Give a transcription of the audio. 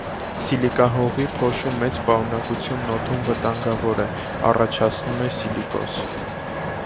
Սիլիկահողի փոշու մեծ պարունակությունն օդում վտանգավոր է՝ առաջացնում է սիլիկոզ։